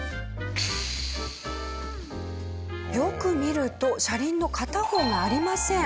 よく見ると車輪の片方がありません。